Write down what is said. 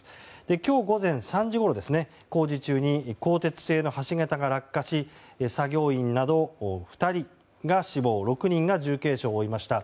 今日午前３時ごろ、工事中に鋼鉄製の橋桁が落下し作業員など、２人が死亡６人が重軽傷を負いました。